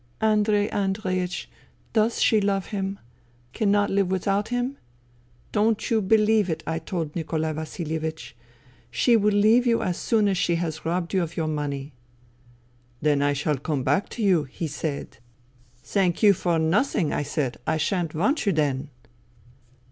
" Andrei Andreiech, does she love him ? Cannot live without him ?' Don't you believe it,' I told Nikolai Vasilievich. ' She will leave you as soon as she has robbed you of your money.' "' Then I shall come back to you,' he said. 38 FUTILITY "* Thank you for nothing,' I said. ' I shan't want you then.'